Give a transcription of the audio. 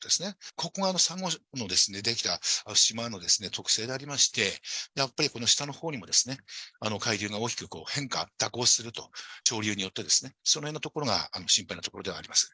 ここがサンゴ礁で出来た島の特性でありまして、やっぱりこの下のほうにも海流が大きく変化、蛇行すると、潮流によってですね、そのへんのところが心配なところではあります。